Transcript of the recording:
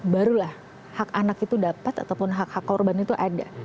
barulah hak anak itu dapat ataupun hak hak korban itu ada